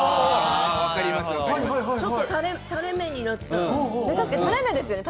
ちょっとたれ目になって。